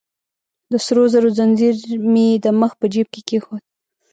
د سرو زرو ځنځیر مې يې د مخ په جیب کې کېښود.